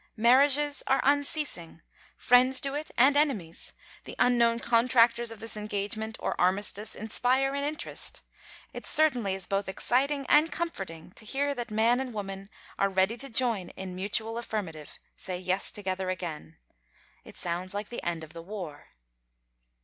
Marriages are unceasing. Friends do it, and enemies; the unknown contractors of this engagement, or armistice, inspire an interest. It certainly is both exciting and comforting to hear that man and woman are ready to join in a mutual affirmative, say Yes together again. It sounds like the end of the war.